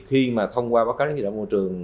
khi mà thông qua báo cáo kinh doanh môi trường